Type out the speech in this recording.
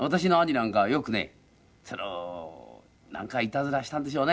なんかいたずらしたんでしょうね。